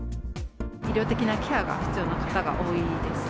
医療的なケアが必要な方が多いです。